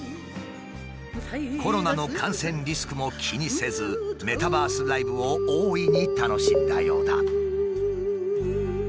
コロナの感染リスクも気にせずメタバースライブを大いに楽しんだようだ。